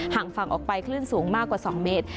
งฝั่งออกไปคลื่นสูงมากกว่า๒เมตร